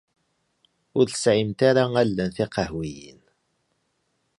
Ur tesɛimt ara allen tiqehwiyin.